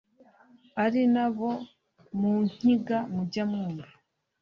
ari n’abo mu nkiga mujya mwumva